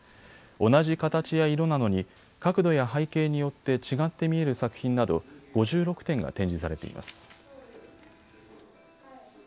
同じ形や色なのに角度や背景によって違って見える作品など５６点が展示されています。